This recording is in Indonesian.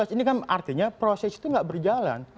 ini kan artinya proses itu nggak berjalan